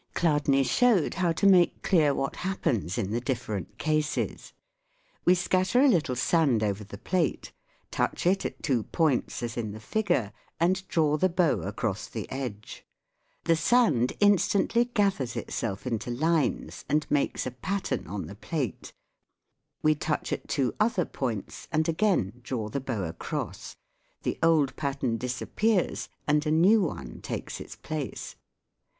Chladni showed how to make clear what happens in the different cases. We scatter a little sand over the plate, touch it at two points as in the figure, and draw the bow across the edge ; the sand instantly gathers itself into lines and makes a pattern on the plate (Fig. 71). We touch at two other points, and again draw the bow across : the old pattern disappears, and a new one takes its place.